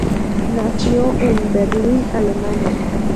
Nació en Berlín, Alemania.